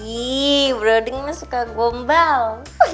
ihh broding suka gombal